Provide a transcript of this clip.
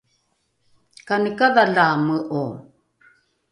kani kadhalaame’o?